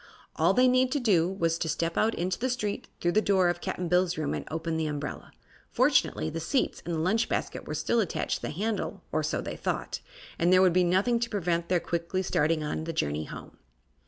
All they need to do was to step out into the street, through the door of Cap'n Bill's room, and open the umbrella. Fortunately, the seats and the lunch basket were still attached to the handle or so they thought and there would be nothing to prevent their quickly starting on the journey home.